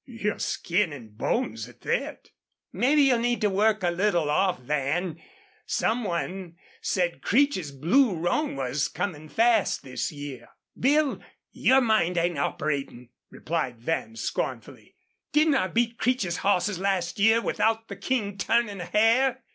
"You're skin an' bones at thet." "Mebbe you'll need to work a little off, Van. Some one said Creech's Blue Roan was comin' fast this year." "Bill, your mind ain't operatin'," replied Van, scornfully. "Didn't I beat Creech's hosses last year without the King turnin' a hair?"